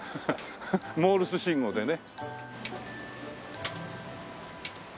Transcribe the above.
モールス信号でね。